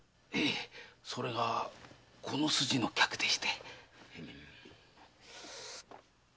へいそれがこの筋の客でして。